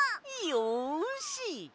よし。